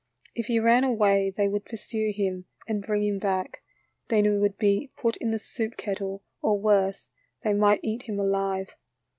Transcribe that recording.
If he ran away they would pursue him and bring him back, then he would be put in the soup kettle, or worse, they might eat him alive.